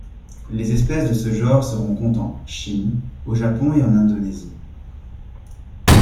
Les espèces de ce genre se rencontrent en Chine, au Japon et en Indonésie.